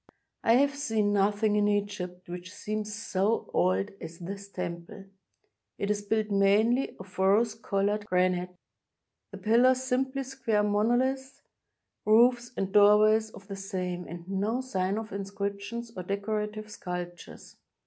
I have seen nothing in Egypt which seems so old as this temple. It is built mainly of rose colored granite, the pillars simply square monoUths, roofs and doorways of the same, and no sign of inscriptions or decorative sculptures.